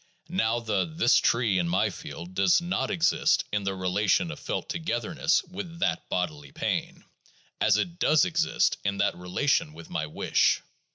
Now the "this tree" in my field does not exist in the relation of felt togetherness with that bodily pain — as it does exist in that relation with my wish.